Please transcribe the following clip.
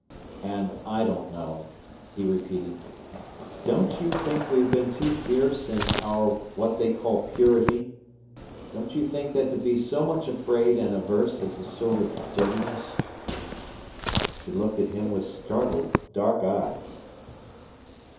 "And I don't know," he repeated. "Don't you think we have been too fierce in our what they call purity? Don't you think that to be so much afraid and averse is a sort of dirtiness?" She looked at him with startled dark eyes.